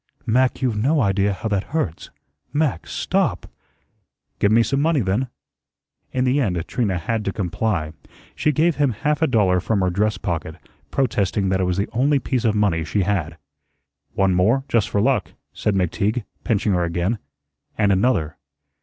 "Mac, you've no idea how that hurts. Mac, STOP!" "Give me some money, then." In the end Trina had to comply. She gave him half a dollar from her dress pocket, protesting that it was the only piece of money she had. "One more, just for luck," said McTeague, pinching her again; "and another."